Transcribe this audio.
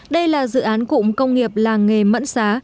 đây là dự án cụm công nghiệp làng nghề mẫn xá